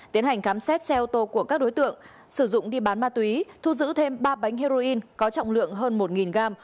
tiến hành khám xét xe ô tô của các đối tượng sử dụng đi bán ma túy thu giữ thêm ba bánh heroin có trọng lượng hơn một gram